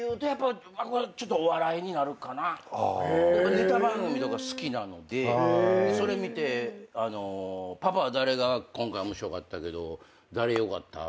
ネタ番組とか好きなのでそれ見てパパは誰が今回面白かったけど誰良かった？とか。